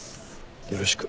よろしく。